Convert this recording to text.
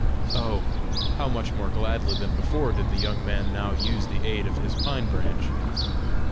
Oh! how much more gladly than before did the young man now use the aid of his pine branch!